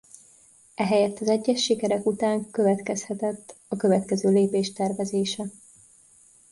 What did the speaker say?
Ehelyett az egyes sikerek után következhetett a következő lépés tervezése.